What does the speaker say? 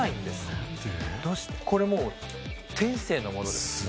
「これもう天性のものです。